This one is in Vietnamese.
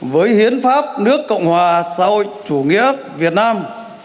với hiến pháp nước cộng hòa xã hội chủ nghĩa việt nam